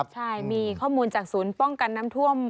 ใช่มีข้อมูลจากศูนย์ป้องกันน้ำท่วม